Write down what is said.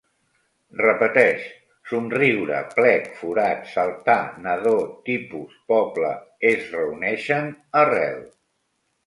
Repeteix: somriure, plec, forat, saltar, nadó, tipus, poble, es reuneixen, arrel